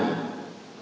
saya juga minta selfie